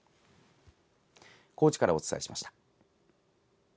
高知からお伝えしました。